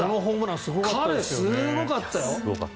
彼、すごかったよ。